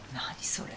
それ。